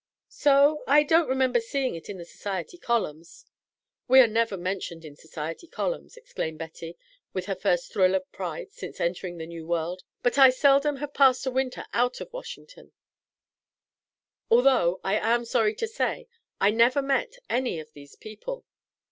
"So? I don't remember seeing it in the society columns." "We are never mentioned in society columns," exclaimed Betty, with her first thrill of pride since entering the new world. "But I seldom have passed a winter out of Washington, although I am sorry to say I never have met any of these people."